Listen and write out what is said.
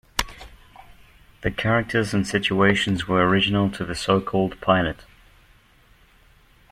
The characters and situations were original to the so-called pilot.